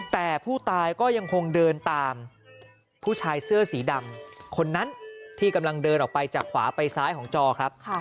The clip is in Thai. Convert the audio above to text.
แต่ผู้ตายก็ยังคงเดินตามผู้ชายเสื้อสีดำคนนั้นที่กำลังเดินออกไปจากขวาไปซ้ายของจอครับ